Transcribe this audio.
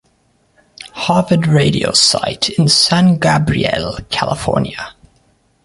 Harvard radio site in San Gabriel, California.